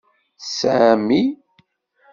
Sami.